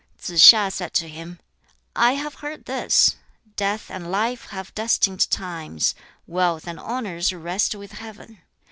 Tsz hiŠ said to him, "I have heard this: 'Death and life have destined times; wealth and honors rest with Heaven.